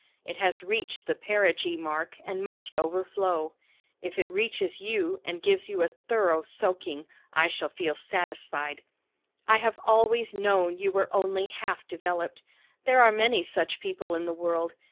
It has reached the perigee mark and must overflow. If it reaches you and gives you a thorough soaking, I shall feel satisfied. I have always known you were only half developed. There are many such people in the world.